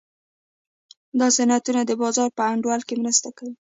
دا صنعتونه د بازار په انډول کې مرسته کوي.